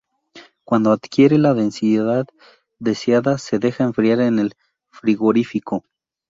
Cuando adquiere la densidad deseada se deja enfriar en el frigorífico.